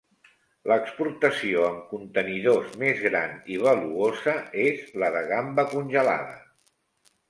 L'exportació amb contenidors més gran i valuosa és la de gamba congelada.